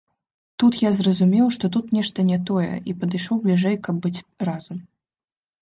Тут я зразумеў, што тут нешта не тое і падышоў бліжэй, каб быць разам.